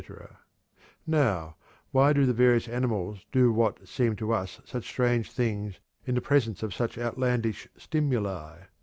Now, why do the various animals do what seem to us such strange things in the presence of such outlandish stimuli?